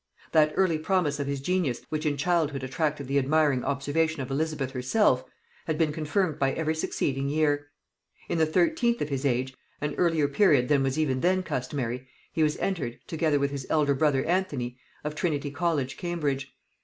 That early promise of his genius which in childhood attracted the admiring observation of Elizabeth herself, had been confirmed by every succeeding year. In the thirteenth of his age, an earlier period than was even then customary, he was entered, together with his elder brother Anthony, of Trinity college Cambridge.